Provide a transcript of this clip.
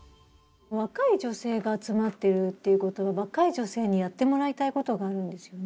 若い女性が集まってるっていうことは若い女性にやってもらいたいことがあるんですよね。